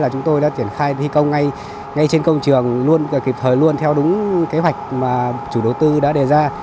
chúng tôi đã thi công ngay trên công trường kịp thời luôn theo đúng kế hoạch mà chủ đầu tư đã đề ra